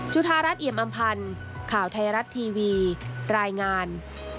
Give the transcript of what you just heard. ธารัฐเอียมอำพันธ์ข่าวไทยรัฐทีวีรายงาน